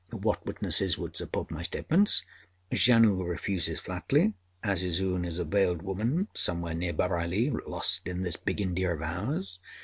What witnesses would support my statements? Janoo refuses flatly, Azizun is a veiled woman somewhere near Bareilly lost in this big India of ours.